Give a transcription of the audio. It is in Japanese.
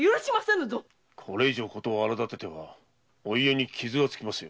これ以上事を荒立ててはお家に傷がつきますよ。